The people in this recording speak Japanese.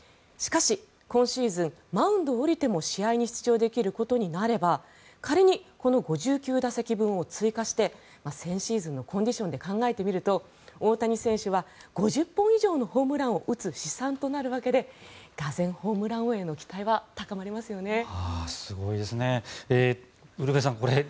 しかし、今シーズンマウンドを降りても試合に出場できることになれば仮に５９打席分を追加して先シーズンのコンディションで考えてみると大谷選手は５０本以上のホームランを打つ試算となるわけでがぜん、ホームラン王への期待は高まりますよね。